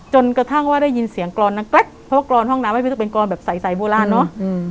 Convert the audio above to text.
จนกระทั่งว่าได้ยินเสียงกรอนนางแกรกเพราะว่ากรอนห้องน้ำมันก็จะเป็นกรอนแบบใสโบราณเนอะ